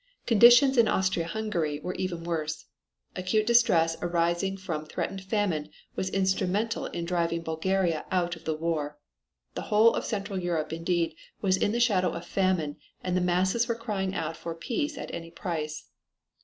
Conditions in Austria Hungary were even worse. Acute distress arising from threatening famine was instrumental in driving Bulgaria out of the war. The whole of Central Europe indeed was in the shadow of famine and the masses were crying out for peace at any price.